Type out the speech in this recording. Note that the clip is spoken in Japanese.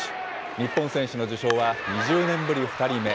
日本選手の受賞は、２０年ぶり２人目。